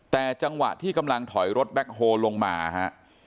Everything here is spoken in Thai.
แต่จังหวะที่กำลังถอยรถแบ็คโฮลงมาฮะ